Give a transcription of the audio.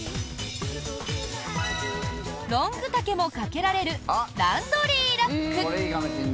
ロング丈もかけられるランドリーラック。